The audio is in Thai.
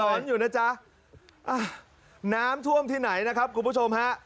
อยู่นะจ๊ะอ่ะน้ำท่วมที่ไหนนะครับคุณผู้ชมฮะ